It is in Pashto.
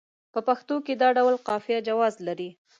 په پښتو کې دا ډول قافیه جواز لري.